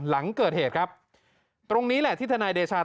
หลังเกิดเหตุครับตรงนี้แหละที่ทนายเดชา